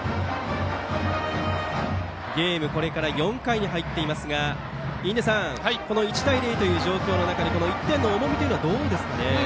ゲームは４回に入っていますが印出さんこの１対０という状況の中で１点の重みはどうですかね。